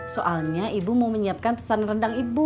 soalnya ibu mau menyiapkan pesan rendang ibu